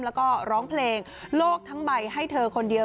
แล้วก็ร้องเพลงโลกทั้งใบให้เธอคนเดียว